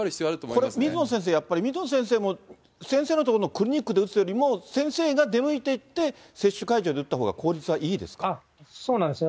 これ、水野先生、やっぱり水野先生も、先生の所のクリニックで打つよりも、先生が出向いていって、接種会場で打ったほうが、そうなんですよ。